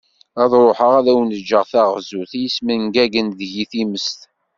Ad ruḥeγ ad awen-ğğeγ taγzut i yesmengagen deg-i timest.